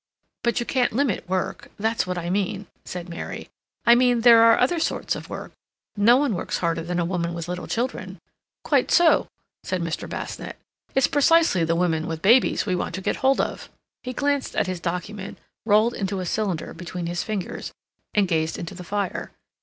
"But you can't limit work—that's what I mean," said Mary. "I mean there are other sorts of work. No one works harder than a woman with little children." "Quite so," said Mr. Basnett. "It's precisely the women with babies we want to get hold of." He glanced at his document, rolled it into a cylinder between his fingers, and gazed into the fire.